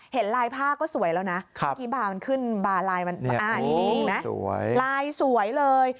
เห็นลายผ้าก็สวยแล้วนะบางคนขึ้นลายสวยเลย